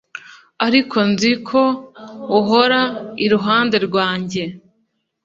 ariko nzi ko uhora iruhande rwanjye